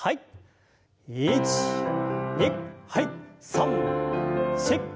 ３４。